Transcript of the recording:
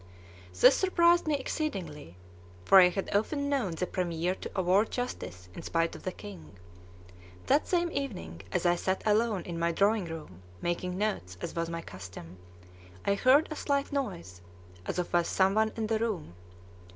This surprised me exceedingly, for I had often known the premier to award justice in spite of the king. That same evening, as I sat alone in my drawing room, making notes, as was my custom, I heard a slight noise, as of some one in the room.